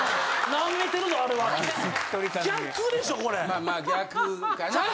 まあまあ逆かな。